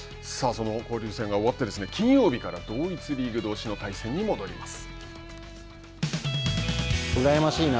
その交流戦が終わって金曜日から同一リーグどうしの対戦に戻ります。